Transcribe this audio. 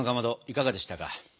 いかがでしたか？